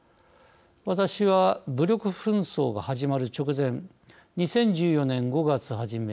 私は、武力紛争が始まる直前２０１４年５月初め